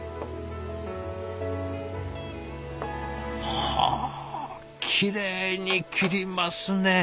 はあきれいに切りますね！